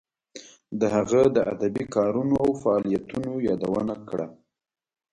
د هغه د ادبی کارونو او فعالیتونو یادونه کړه.